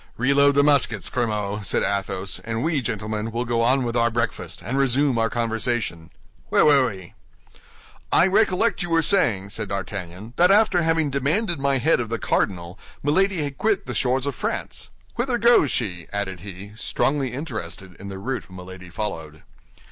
"Reload the muskets, Grimaud," said Athos, "and we, gentlemen, will go on with our breakfast, and resume our conversation. Where were we?" "I recollect you were saying," said D'Artagnan, "that after having demanded my head of the cardinal, Milady had quit the shores of France. Whither goes she?" added he, strongly interested in the route Milady followed.